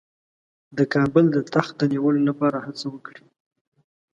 د کابل د تخت د نیولو لپاره هڅه وکړي.